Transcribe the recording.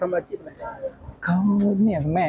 แม่เค้าอยู่ตรงนี้ครับ